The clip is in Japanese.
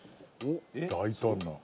大胆な。